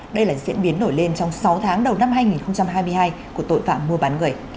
đây là diễn biến nổi lên trong sáu tháng đầu năm hai nghìn hai mươi hai của tội phạm mua bán người